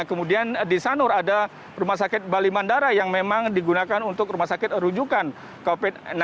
kemudian di sanur ada rumah sakit bali mandara yang memang digunakan untuk rumah sakit rujukan covid sembilan belas